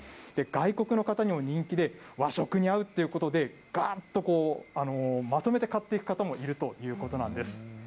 外国の方にも人気で、和食に合うっていうことで、がっとまとめて買っていく方もいるということなんです。